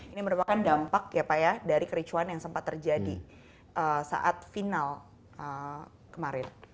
ini merupakan dampak ya pak ya dari kericuan yang sempat terjadi saat final kemarin